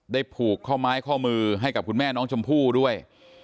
ผูกข้อไม้ข้อมือให้กับคุณแม่น้องชมพู่ด้วย